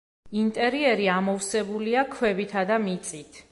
ინტერიერი ამოვსებულია ქვებითა და მიწით.